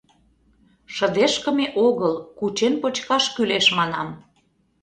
Шыдешкыме огыл, кучен почкаш кӱлеш, манам.